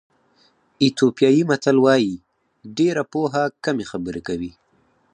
ایتیوپیایي متل وایي ډېره پوهه کمې خبرې کوي.